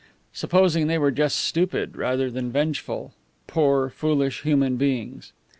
Supposing they were just stupid rather than vengeful? Poor, foolish human beings!